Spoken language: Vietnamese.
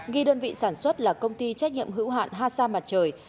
ghi đơn vị sản xuất là công ty trách nhiệm hữu hạn hasa mặt trời